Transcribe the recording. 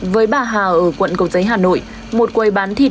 với bà hà ở quận cộng giấy hà nội